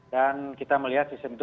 dan kita melihat sistem itu